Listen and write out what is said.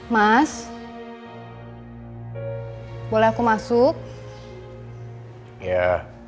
mas boleh aku masuk ya